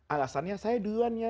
alasannya saya duluan ya